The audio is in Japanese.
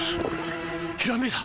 ひらめいた！